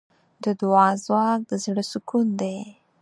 د دعا ځواک د زړۀ سکون دی.